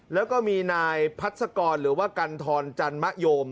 แล้วก็มีนายพัศกรหรือว่ากันทรจันมะโยม